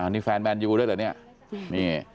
นี่แฟนแบรนด์ยูด้วยเหรอนี่